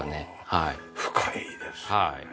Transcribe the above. はい。